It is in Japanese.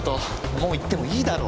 もう行ってもいいだろ？